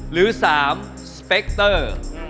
หรือ๓สเปคเตอร์